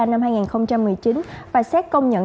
năm hai nghìn một mươi chín và xét công nhận